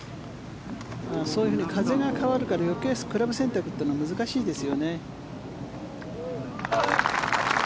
そういうふうに風が変わるから余計クラブ選択というのが難しいですよね。